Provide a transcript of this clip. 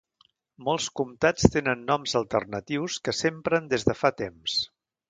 Molts comtats tenen noms alternatius que s'empren des de fa temps.